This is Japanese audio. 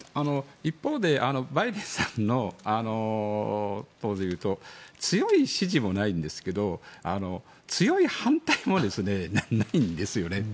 一方でバイデンさんの党でいうと強い支持もないんですけど強い反対もないんですよね。